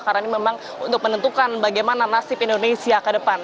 karena ini memang untuk menentukan bagaimana nasib indonesia ke depan